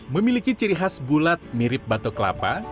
memiliki ciri khas bulat mirip batok kelapa